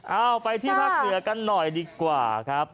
เอาไปที่ภาคเหนือกันหน่อยดีกว่าครับ